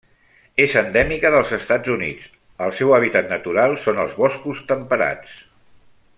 És endèmica dels Estats Units, el seu hàbitat natural són els boscos temperats.